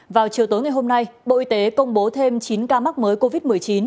vào chiều tối ngày hôm nay bộ y tế công bố thêm chín ca mắc mới covid một mươi chín